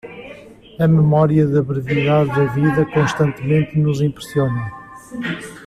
A memória da brevidade da vida constantemente nos impressiona.